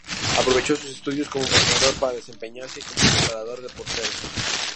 Aprovechó sus estudios como entrenador para desempeñarse como preparador de porteros.